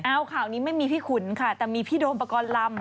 ข่าวนี้ไม่มีพี่ขุนค่ะแต่มีพี่โดมปกรณ์ลำ